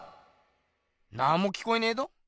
なんも聞こえねえぞ。